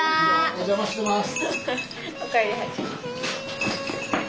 お邪魔してます。